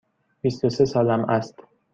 بیست و سه سالم است.